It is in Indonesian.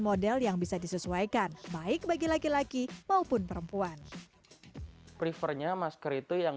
model yang bisa disesuaikan baik bagi laki laki maupun perempuan prefernya masker itu yang